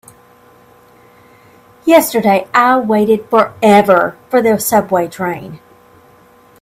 Yesterday I waited forever for the subway train.